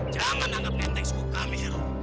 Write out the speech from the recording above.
jangan anggap ganteng subu kamil